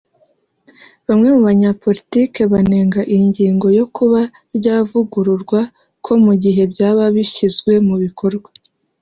Bamwe mu banyapolitiki banenga iyi ngingo yo kuba ryavugururwa ko mu gihe byaba bishyizwe mu bikorwa